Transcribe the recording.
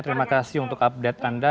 terima kasih untuk update anda